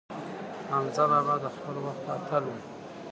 حمزه بابا د خپل وخت اتل و.